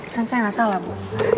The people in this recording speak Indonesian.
kan saya nggak salah bu